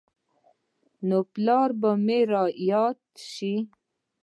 نو پلار به مې راياد سو.